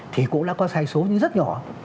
thì cũng đã có sai số nhưng rất nhỏ